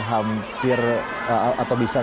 hampir atau bisa